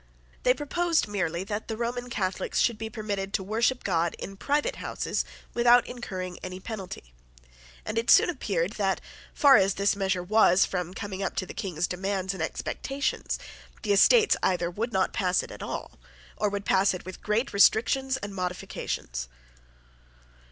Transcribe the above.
They proposed merely that Roman Catholics should be permitted to worship God in private houses without incurring any penalty; and it soon appeared that, far as this measure was from coming up to the King's demands and expectations, the Estates either would not pass it at all, or would pass it with great restrictions and modifications.